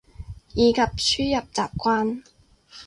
以及輸入習慣